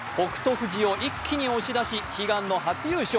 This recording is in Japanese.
富士を一気に押し出し、悲願の初優勝。